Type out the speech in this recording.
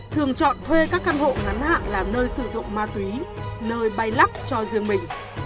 thường chọn thuê các căn hộ ngắn hạn làm nơi sử dụng ma túy nơi bay lắp cho riêng mình